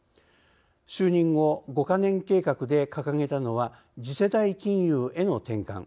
就任後、５か年計画で掲げたのは次世代金融への転換。